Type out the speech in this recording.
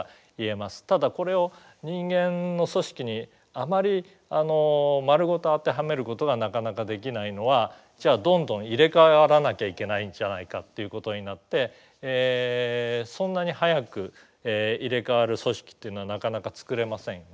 ただこれを人間の組織にあまり丸ごと当てはめることがなかなかできないのはじゃあどんどん入れ代わらなきゃいけないんじゃないかっていうことになってそんなに早く入れ代わる組織っていうのはなかなかつくれませんよね。